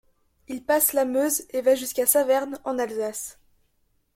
Il passe la Meuse et va jusqu'à Saverne en Alsace.